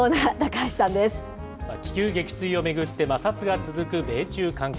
気球撃墜を巡って、摩擦が続く米中関係。